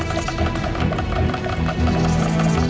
tidak ada siapa di sana